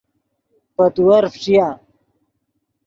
پے تیور فݯیا